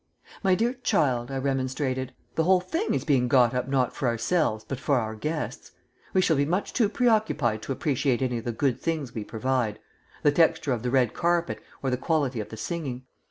"My dear child," I remonstrated, "the whole thing is being got up not for ourselves, but for our guests. We shall be much too preoccupied to appreciate any of the good things we provide the texture of the red carpet or the quality of the singing.